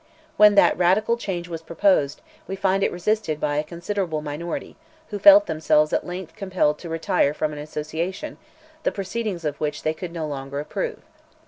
When that radical change was proposed, we find it resisted by a considerable minority, who felt themselves at length compelled to retire from an association, the proceedings of which they could no longer approve.